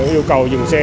yêu cầu dùng xe